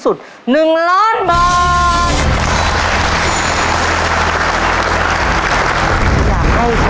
ขอบคุณค่ะ